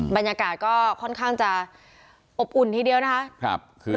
บรรยากาศก็ค่อนข้างจะอบอุ่นทีเดียวนะคะ